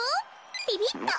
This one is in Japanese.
ピピッと。